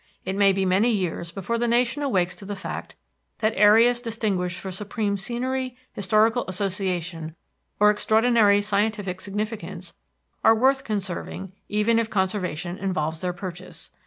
It may be many years before the nation awakes to the fact that areas distinguished for supreme scenery, historical association, or extraordinary scientific significance are worth conserving even if conservation involves their purchase.